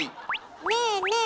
ねえねえ